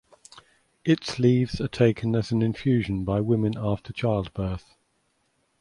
Its leaves are taken as an infusion by women after childbirth.